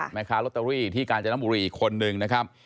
แม่ค้าลอตเตอรี่ที่กาญจนบุรีอีกคนนึงนะครับ